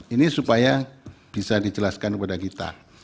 ini supaya bisa dijelaskan kepada kita